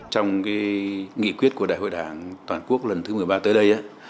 trong nghị quyết của đại hội đảng toàn quốc lần thứ một mươi ba tới đây